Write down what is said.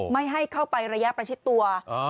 ไม่ให้เข้าไประยะประชิดตัว